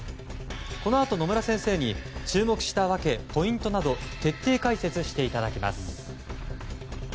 このあと野村先生に注目した訳、ポイントなど徹底解説していただきます。